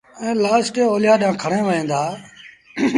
ائيٚݩ لآش کي اوليآ ڏآݩهݩ کڻي وهيݩ دآ